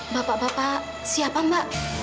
bapak bapak siapa mbak